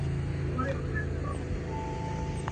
عمر تېر سو پاچا زوړ نیوي کلن سو!!